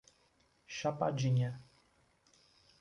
Chapadinha